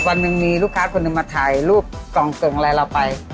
วันหนึ่งมีลูกค้าคนหนึ่งมาถ่ายรูปกล่องเกิ่งอะไรเราไป